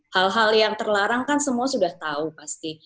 hal hal yang terlarang kan semua sudah tahu pasti